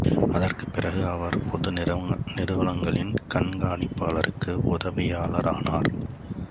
அதற்குப் பிறகு அவர், பொது நிறுவனங்களின் கண்காணிப்பாளருக்கு உதவியாளரானார்.